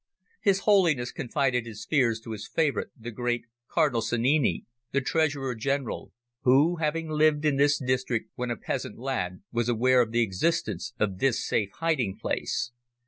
His Holiness confided his fears to his favourite, the great, Cardinal Sannini, the treasurer general, who, having lived in this district when a peasant lad, was aware of the existence of this safe hiding place.